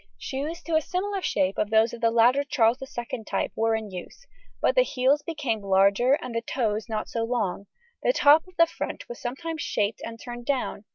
Shoes of a similar shape to those of the later Charles II type were in use, but the heels became larger and the toes not so long; the top of the front was sometimes shaped and turned down.